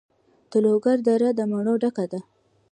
د لوګر دره د مڼو ډکه ده.